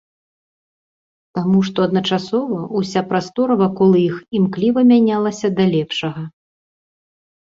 Таму што адначасова ўся прастора вакол іх імкліва мянялася да лепшага.